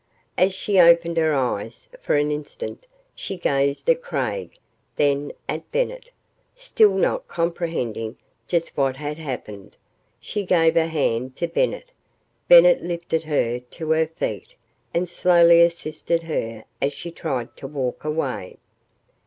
As she opened her eyes, for an instant, she gazed at Craig, then at Bennett. Still not comprehending just what had happened, she gave her hand to Bennett. Bennett lifted her to her feet and slowly assisted her as she tried to walk away.